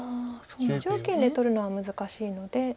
無条件で取るのは難しいので。